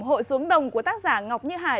hội xuống đồng của tác giả ngọc như hải